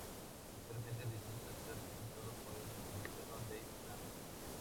Actualmente el distrito está representado por el Republicano Dave Camp.